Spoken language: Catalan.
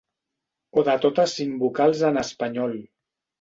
O de totes cinc vocals en espanyol.